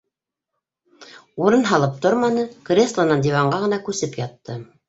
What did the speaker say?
Урын һалып торманы, креслонан диванға ғына күсеп ятты.